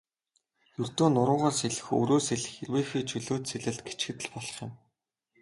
Ердөө нуруугаар сэлэх, өврөөр сэлэх, эрвээхэй, чөлөөт сэлэлт гэчихэд л болох юм.